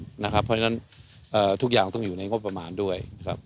เพราะฉะนั้นทุกอย่างต้องอยู่ในงบประมาณด้วยนะครับ